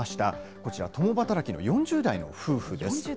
こちら、共働きの４０代の夫婦です。